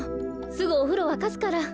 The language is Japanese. すぐおふろわかすから。